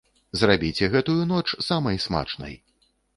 Зрабіце гэтую ноч самай смачнай!